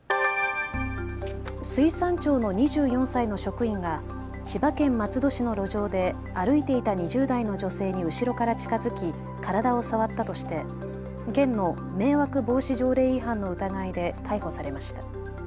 水産庁の２４歳の職員が千葉県松戸市の路上で歩いていた２０代の女性に後ろから近づき体を触ったとして県の迷惑防止条例違反の疑いで逮捕されました。